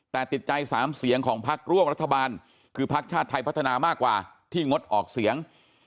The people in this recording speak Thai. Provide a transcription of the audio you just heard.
แต่ติดใจ๓เสียงของพักร่วมรัฐบาลคือพักชาติไทยพัฒนามากกว่าที่งดออกเสียง